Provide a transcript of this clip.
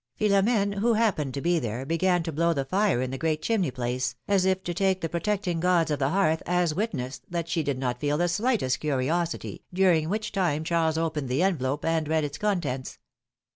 ^^ Philom^ne, who happened to be there, began to blow the fire in the great chimney place, as if to take the pro tecting gods of the hearth as witness that she did not feel the slightest curiosity, during which time Charles opened the envelope and read its contents.